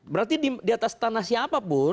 berarti di atas tanah siapapun